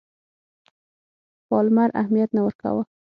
پالمر اهمیت نه ورکاوه.